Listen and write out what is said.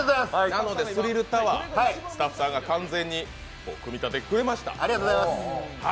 なのでスリルタワー、スタッフさんが完全に組み立ててくれました。